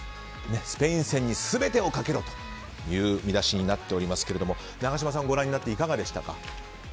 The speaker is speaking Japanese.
スペイン戦に全てをかけろという見出しになっておりますが永島さん、ご覧になっていかがでしたか？